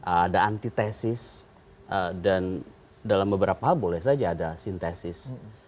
ada antitesis dan dalam beberapa hal boleh saja ada sintesis